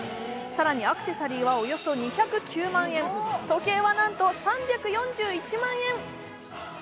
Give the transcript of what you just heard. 更にアクセさラーはおよそ２０９万円時計は、なんと３４１万円！